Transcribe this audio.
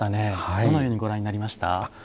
どのようにご覧になりました？